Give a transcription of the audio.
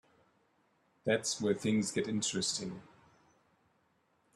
That's where things get interesting.